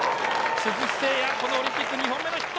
鈴木誠也、オリンピック２本目のヒット。